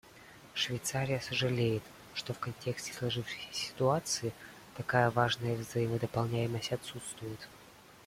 Швейцария сожалеет, что в контексте сложившейся ситуации такая важная взаимодополняемость отсутствует.